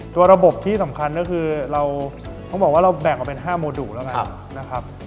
ตัวระบบที่สำคัญก็คือเราต้องบอกว่าเราแบ่งออกเป็น๕โมดุแล้วกันนะครับ